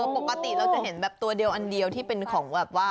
ปกติเราจะเห็นแบบตัวเดียวอันเดียวที่เป็นของแบบว่า